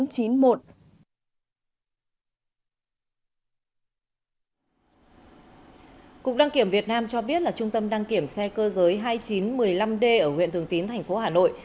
cục đăng kiểm việt nam cho biết là trung tâm đăng kiểm xe cơ giới hai nghìn chín trăm một mươi năm d ở huyện thường tín thành phố hà nội